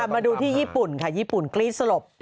มาดูที่ญี่ปุ่นค่ะญี่ปุ่นกรี๊ดสลบ